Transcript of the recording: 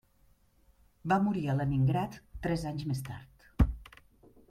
Va morir a Leningrad tres anys més tard.